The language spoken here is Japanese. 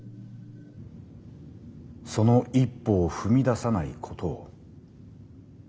その一歩を踏み出さないことを。